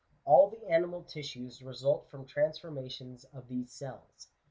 All the animal tissues result from transformations of these cells.